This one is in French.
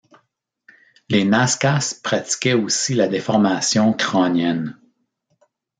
Les Nazcas pratiquaient aussi la déformation crânienne.